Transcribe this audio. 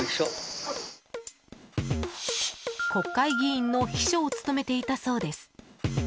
国会議員の秘書を務めていたそうです。